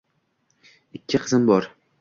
Ikki qizim bor.